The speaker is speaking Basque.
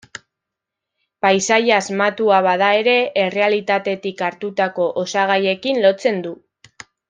Paisaia asmatua bada ere, errealitatetik hartutako osagaiekin lotzen du.